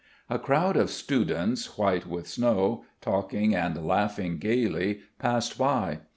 A crowd of students white with snow, talking and laughing gaily, passed by.